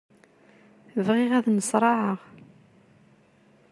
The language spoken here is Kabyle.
Bɣiɣ ad nneṣraɛeɣ.